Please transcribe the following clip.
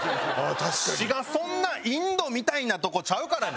滋賀そんなインドみたいなとこちゃうからね。